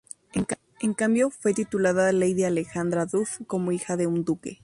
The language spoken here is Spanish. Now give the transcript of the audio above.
En cambio, fue titulada lady Alejandra Duff, como hija de un duque.